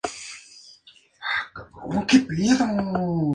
Corresponde al latín "Vigilio".